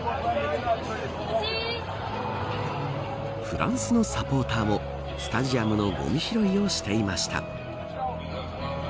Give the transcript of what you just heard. フランスのサポーターもスタジアムのごみ拾いをしていました。